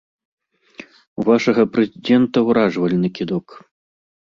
У вашага прэзідэнта ўражвальны кідок!